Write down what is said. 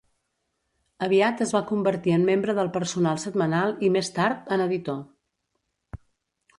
Aviat es va convertir en membre del personal setmanal y, més tard, en editor.